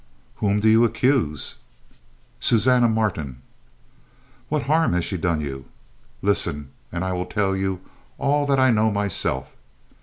"Whom do you accuse?" "Susanna Martin." "What harm has she done you?" "Listen, and I will tell you all that I know myself.